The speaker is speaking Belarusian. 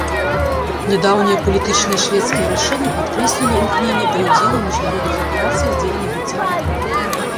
Нядаўнія палітычныя шведскія рашэння падкрэслілі імкненне да ўдзелу ў міжнародных аперацыях дзеля набыцця вопыту.